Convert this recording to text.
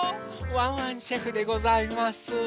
ワンワンシェフでございます。